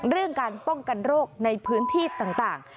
เรื่องการป้องกันโรคในพื้นที่ต่าง